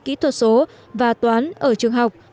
kỹ thuật số và toán ở trường học